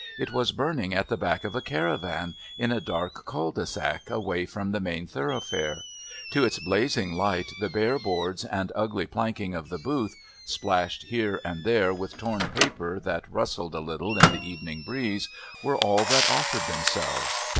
It was burning at the back of a caravan, in a dark cul de sac away from the main thoroughfare; to its blazing light the bare boards and ugly plankings of the booth, splashed here and there with torn paper that rustled a little in the evening breeze, were all that offered themselves.